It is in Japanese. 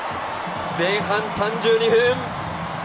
前半３２分。